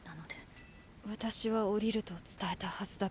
私は降りると伝えたはずだけど。